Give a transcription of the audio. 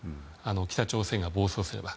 北朝鮮が暴走すれば。